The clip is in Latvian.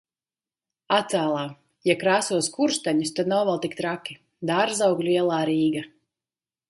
Attēlā: Ja krāso skursteņus, tad nav vēl tik traki. Dārzaugļu ielā, Rīga.